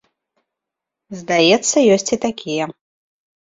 Здаецца, ёсць і такія.